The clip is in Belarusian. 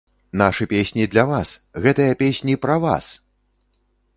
Нашы песні для вас, гэтыя песні пра вас!!!